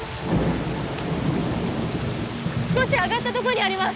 少し上がったどごにあります！